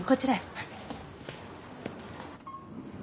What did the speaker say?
はい。